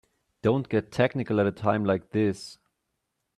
Don't get technical at a time like this.